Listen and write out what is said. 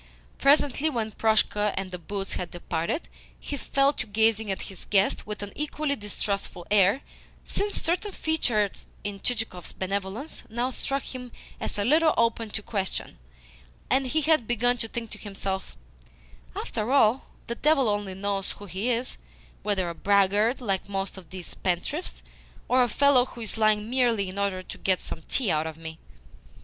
Presently, when Proshka and the boots had departed, he fell to gazing at his guest with an equally distrustful air, since certain features in Chichikov's benevolence now struck him as a little open to question, and he had begin to think to himself: "After all, the devil only knows who he is whether a braggart, like most of these spendthrifts, or a fellow who is lying merely in order to get some tea out of me."